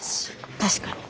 確かに。